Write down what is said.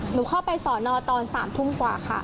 หนูเข้าไปสอนอตอน๓ทุ่มกว่าค่ะ